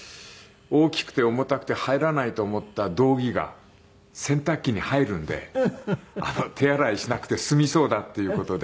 大きくて重たくて入らないと思った道着が洗濯機に入るんで手洗いしなくて済みそうだっていう事で。